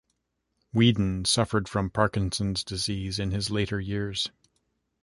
Weedon suffered from Parkinson's disease in his later years.